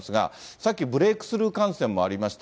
さっきブレークスルー感染もありました、